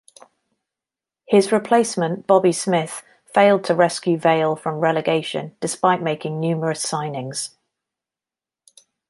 His replacement Bobby Smith failed to rescue Vale from relegation despite making numerous signings.